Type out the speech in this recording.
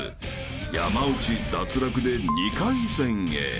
山内脱落で２回戦へ］